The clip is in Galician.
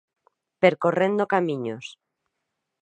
Percorrendo camiños.